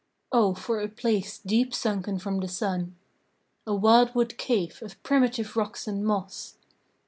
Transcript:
Oh, for a place deep sunken from the sun! A wildwood cave of primitive rocks and moss!